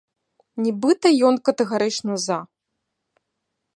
Нібыта ён катэгарычна за.